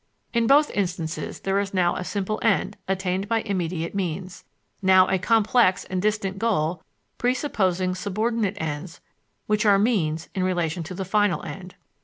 In both instances there is now a simple end attained by immediate means, now a complex and distant goal presupposing subordinate ends which are means in relation to the final end.